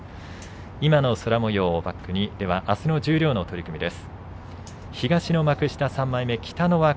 今の空もようをバックにあすの十両の取組です。